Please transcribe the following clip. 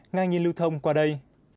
ngang nhiên lưu thông qua đây